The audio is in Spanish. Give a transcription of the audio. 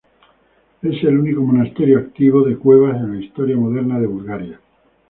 Es el único monasterio activo de cuevas en la historia moderna de Bulgaria.